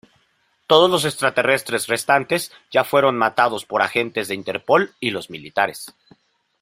Todos los extraterrestres restantes ya fueron matados por agentes de Interpol y los militares.